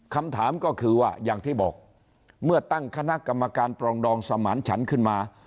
คำถามก็คือว่าอย่างที่บอกเมื่อตั้งคณะกรรมการปรองดองสมานฉันขึ้นมา